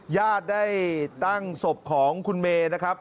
ญาติได้ตั้งศพของคุณเมนะครับ